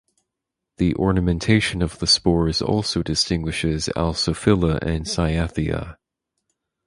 The ornamentation of the spores also distinguishes "Alsophila" and "Cyathea".